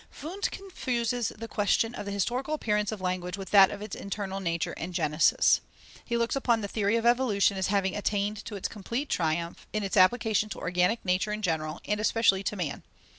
Wundt confuses the question of the historical appearance of language with that of its internal nature and genesis. He looks upon the theory of evolution as having attained to its complete triumph, in its application to organic nature in general, and especially to man.